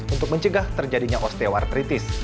untuk mencegah terjadinya osteoartritis